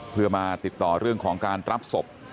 เพื่อมาติดต่อเรื่องของการรับศพ